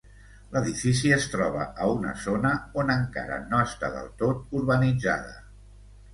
L'edifici es troba a una zona on encara no està del tot urbanitzada.